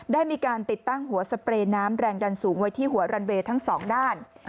ได้มีการติดตั้งหัวสเปรย์น้ำแรงดันสูงไว้ที่หัวรันเวย์ทั้งสองด้าน